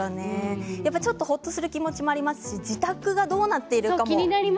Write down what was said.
ほっとする気持ちもありますし自宅がどうなっているか。